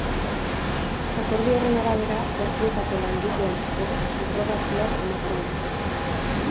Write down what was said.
Akordio horren arabera, portuetako langileen subrogazioa bermatzen da.